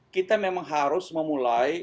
kita memang harus memulai